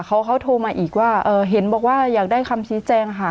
เขาโทรมาอีกว่าเห็นบอกว่าอยากได้คำชี้แจงค่ะ